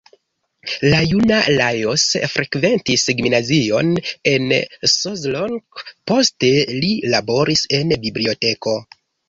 La juna Lajos frekventis gimnazion en Szolnok, poste li laboris en biblioteko.